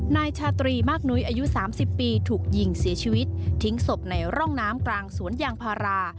นายชาตรีมากนุ้ยอายุ๓๐ปีถูกยิงเสียชีวิตทิ้งศพในร่องน้ำกลางสวนยางพารา